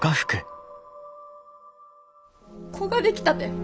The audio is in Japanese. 子ができたて。